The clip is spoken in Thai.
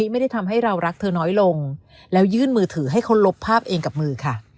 ไม่ได้ทำให้เรารักเธอน้อยลงแล้วยื่นมือถือให้เขาลบภาพเองกับมือค่ะ